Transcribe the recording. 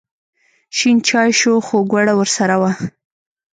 شین چای شو خو ګوړه ورسره وه.